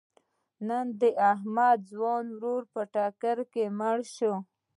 نن د احمد ځوان ورور په ټکر مړ شو.